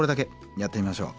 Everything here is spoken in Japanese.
やってみましょう。